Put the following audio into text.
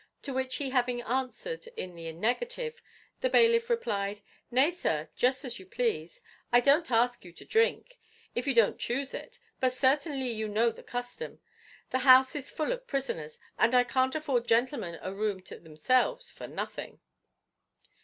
to which he having answered in the negative, the bailiff replied, "Nay, sir, just as you please. I don't ask you to drink, if you don't chuse it; but certainly you know the custom; the house is full of prisoners, and I can't afford gentlemen a room to themselves for nothing."